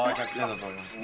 だと思いました。